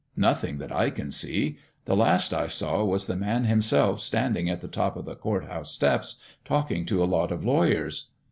"Nothing that I can see. The last I saw was the Man himself standing at the top of the court house steps talking to a lot of lawyers.